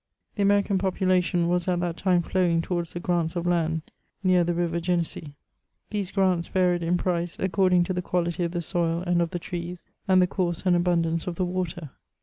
The American population was at that time flowing towards the grants of land near the river Genesee. These grants varied in price, according to the quality of the soil and of the trees, and the course and abundance of the water.